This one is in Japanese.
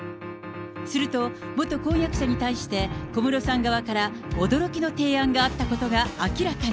すると、元婚約者に対して、小室さん側から驚きの提案があったことが明らかに。